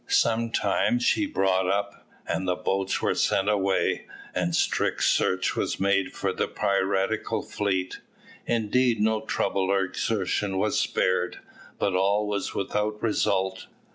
Sometimes she brought up, and the boats were sent away, and strict search was made for the piratical fleet; indeed no trouble or exertion was spared, but all was without result.